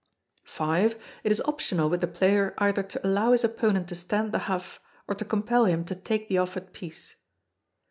] v. It is optional with the player either to allow his opponent to stand the huff, or to compel him to take the offered piece.